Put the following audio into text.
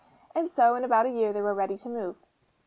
And so in about a year they were ready to move.